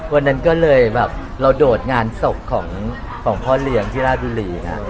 วันนั้นก็เลยแบบเราโดดงานศพของพ่อเลี้ยงที่ราชบุรี